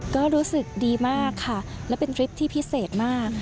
ก็รู้สึกดีมากค่ะและเป็นทริปที่พิเศษมาก